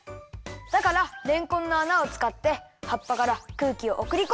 だかられんこんのあなをつかってはっぱからくうきをおくりこんでいるんだよ。